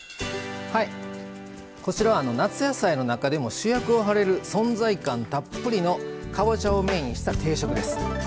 こちらは夏野菜の中でも主役を張れる存在感たっぷりのかぼちゃをメインにした定食です。